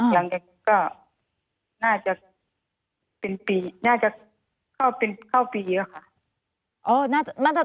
หลังจากนี้ก็น่าจะเป็นปีน่าจะเข้าปีก็ค่ะ